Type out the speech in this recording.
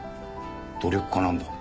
努力家なんだ。